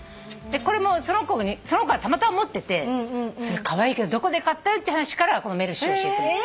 これもその子がたまたま持っててそれカワイイけどどこで買ったのって話からこのＭｅｒｃｉ教えてもらった。